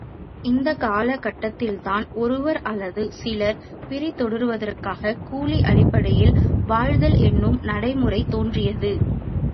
இந்தக் காலக் கட்டத்தில்தான் ஒருவர் அல்லது சிலர் பிறிதொருவருக்காகக் கூலி அடிப்படையில் வாழ்தல் என்னும் நடைமுறைத் தோன்றியது.